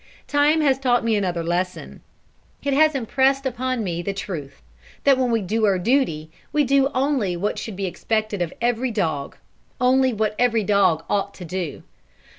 Time has taught me another lesson. It has impressed upon me the truth, that when we do our duty we do only what should be expected of every dog; only what every dog ought to do.